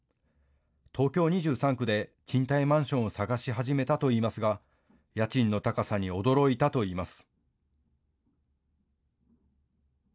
東京２３区で賃貸マンションを探し始めたといいますが家賃の高さに驚いたといいます。